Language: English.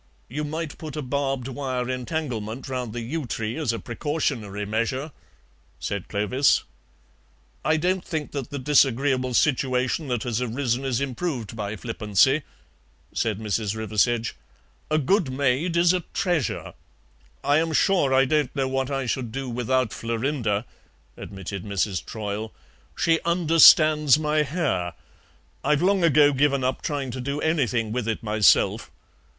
"You might put a barbed wire entanglement round the yew tree as a precautionary measure," said Clovis. "I don't think that the disagreeable situation that has arisen is improved by flippancy," said Mrs. Riversedge; "a good maid is a treasure " "I am sure I don't know what I should do without Florinda," admitted Mrs. Troyle; "she understands my hair. I've long ago given up trying to do anything with it myself.